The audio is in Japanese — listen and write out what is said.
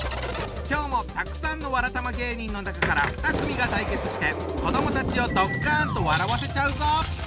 今日もたくさんのわらたま芸人の中から２組が対決して子どもたちをドッカンと笑わせちゃうぞ！